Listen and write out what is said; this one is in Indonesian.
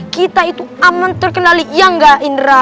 kita itu aman terkenali ya enggak indra